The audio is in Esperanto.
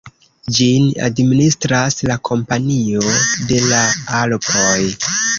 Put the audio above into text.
Ĝin administras la Kompanio de la Alpoj.